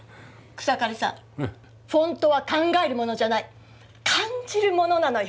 草刈さんフォントは考えるものじゃない感じるものなのよ。